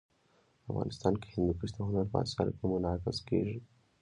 افغانستان کي هندوکش د هنر په اثارو کي منعکس کېږي.